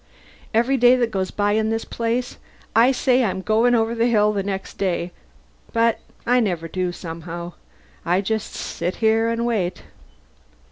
Every day that goes by in this place, I say I'm going over the hill next day. But I never do, somehow. I just sit here and wait."